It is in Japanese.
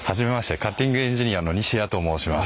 カッティングエンジニアの西谷と申します。